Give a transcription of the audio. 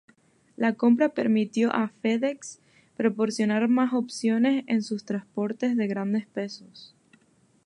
La compra permitió a FedEx proporcionar más opciones en sus transportes de grandes pesos.